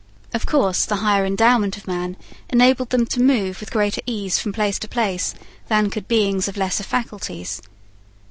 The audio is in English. Of course, the higher endowment of men enabled them to move with greater ease from place to place than could beings of lesser faculties.